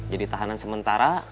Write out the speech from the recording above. jadi tahanan sementara